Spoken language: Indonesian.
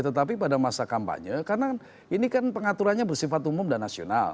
tetapi pada masa kampanye karena ini kan pengaturannya bersifat umum dan nasional